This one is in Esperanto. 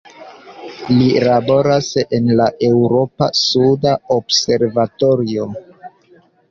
Li laboras en la Eŭropa suda observatorio.